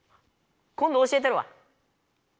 今ど教えたるわ。